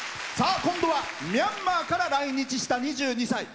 さあ今度はミャンマーから来日した２２歳。